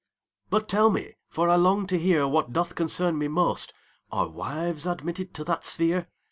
"But tell me, for I long to hearWhat doth concern me most, Are wives admitted to that sphere?"